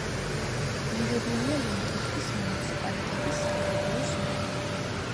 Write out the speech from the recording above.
მიღებულია ლენტეხის მუნიციპალიტეტის საკრებულოს მიერ.